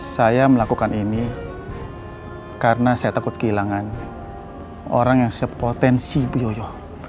saya melakukan ini karena saya takut kehilangan orang yang sepotensi biojo